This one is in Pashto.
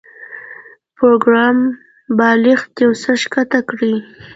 پروګرامر بالښت یو څه ښکته کړ